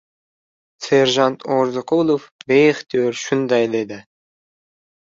Serjant Orziqulov beixtiyor shunday dedi.